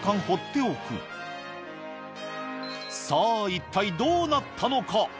一体どうなったのか？